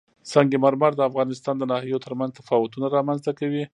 سنگ مرمر د افغانستان د ناحیو ترمنځ تفاوتونه رامنځ ته کوي.